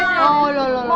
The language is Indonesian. kita juga ada sama